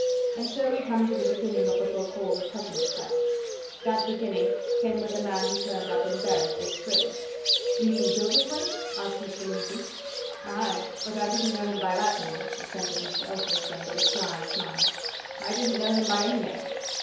And so we come to the beginning of what we'll call the present crisis. That beginning came with the man who turned up in Berwick this spring." "You mean Gilverthwaite?" asked Mr. Lindsey. "Aye but I didn't know him by that name!" assented Mr. Elphinstone, with a sly smile. "I didn't know him by any name.